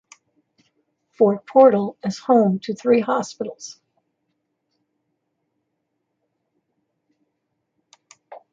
Fort Portal is home to three hospitals.